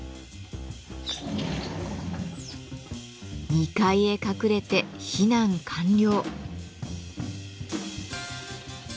２階へ隠れて避難完了。